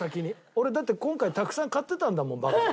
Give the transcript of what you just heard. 俺だって今回たくさん買ってたんだもんバカラ。